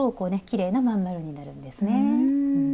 きれいな真ん丸になるんですね。